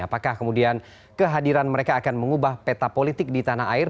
apakah kemudian kehadiran mereka akan mengubah peta politik di tanah air